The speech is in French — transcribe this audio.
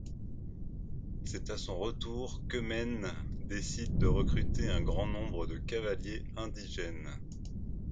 C’est à son retour qu’Eumène décide de recruter un grand nombre de cavaliers indigènes.